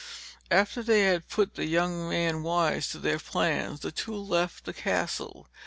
After they had put that young man wise to their plans, the two left the Castle.